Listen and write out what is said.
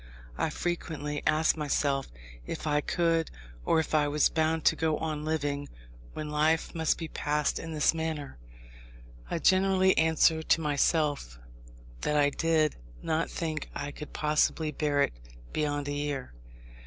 I frequently asked myself, if I could, or if I was bound to go on living, when life must be passed in this manner. I generally answered to myself that I did not think I could possibly bear it beyond a year.